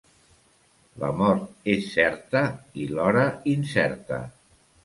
La mort és certa i l'hora incerta.